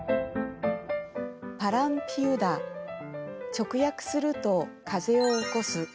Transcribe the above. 直訳すると「風を起こす」。